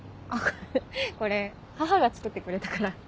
あっこれ母が作ってくれたから。